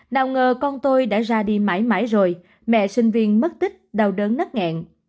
đào ngờ con tôi đã ra đi mãi mãi rồi mẹ sinh viên mất tích đau đớn nắc ngẹn